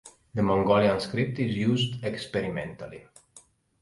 The Mongolian script is used experimentally.